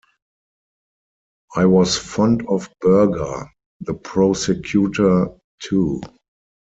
I was fond of Burger, the prosecutor, too.